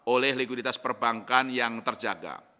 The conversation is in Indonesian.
oleh likuiditas perbankan yang terjaga